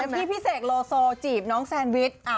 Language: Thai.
ตอนที่พี่แศกลโอโซ่ดังนั้นน้องแซนวิช